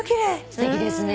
すてきですね。